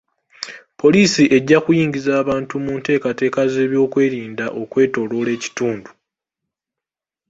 Poliisi ejja kuyingiza abantu mu ntekateeka z'ebyokwerinda okwetooloola ekitundu.